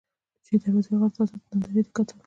د شېر دروازې غره تازه نندارې ته کتل.